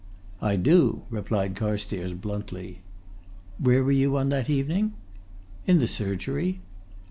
"I do!" replied Carstairs bluntly. "Where were you on that evening?" "In the surgery."